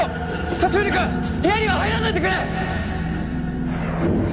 利宗君部屋には入らないでくれ！